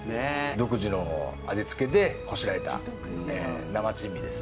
独自の味付けでこしらえた生珍味です。